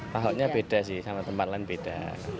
tahoknya beda sih sama tempat lain beda